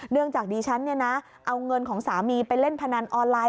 เนื่องจากดีชั้นเอาเงินของสามีไปเล่นพนันออนไลน์